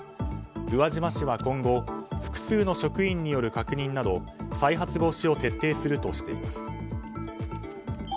宇和島市は今後複数の職員による確認など、再発防止を徹底するとしています。